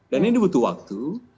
dan ini butuh waktu